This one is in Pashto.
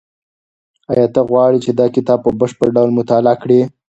ایا ته غواړې چې دا کتاب په بشپړ ډول مطالعه کړې؟